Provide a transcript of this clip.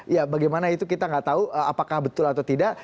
ya bagaimana itu kita nggak tahu apakah betul atau tidak